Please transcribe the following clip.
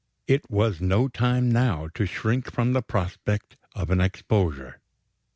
It was no time, now, to shrink from the prospect of an exposure.